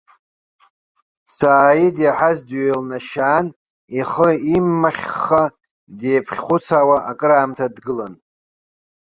Сааид иаҳаз дҩеилнашьаан, ихы имахьха деиԥхьхәыцуа акыраамҭа дгылан.